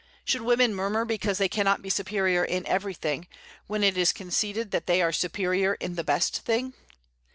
Should women murmur because they cannot be superior in everything, when it is conceded that they are superior in the best thing?